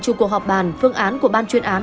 chủ cuộc họp bàn phương án của ban chuyên án